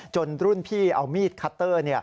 รุ่นพี่เอามีดคัตเตอร์